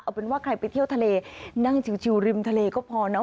เอาเป็นว่าใครไปเที่ยวทะเลนั่งชิวริมทะเลก็พอเนอ